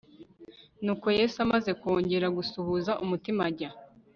Nuko Yesu amaze kongera gusuhuza umutima ajya